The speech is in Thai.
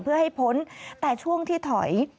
เพื่อให้พ้นแต่ช่วงที่ถอย